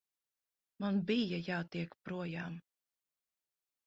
Man bija jātiek projām.